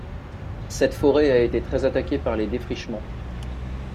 Cette forêt a été très attaquée par les défrichements.